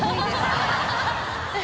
ハハハ